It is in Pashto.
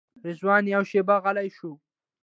رضوان یوه شېبه غلی شو.